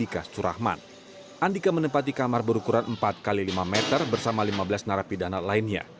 empat x lima meter bersama lima belas narapidana lainnya